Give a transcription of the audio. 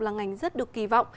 là ngành rất được kỳ vọng